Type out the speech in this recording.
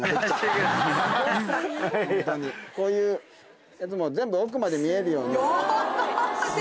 こういうやつも全部奥まで見えるように。